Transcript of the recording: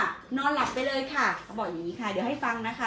บอกอย่างนี้ค่ะเดี๋ยวให้ฟังนะคะ